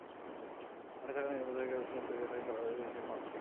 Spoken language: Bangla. মাঠে থাকা নিরাপত্তারক্ষীরা বেষ্টনী তৈরি করে খেলোয়াড়দের নিয়ে গেছেন মাঠ থেকে।